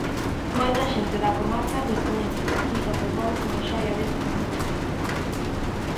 Moita xente da comarca descoñece que aquí se atopou unha xoia destas características.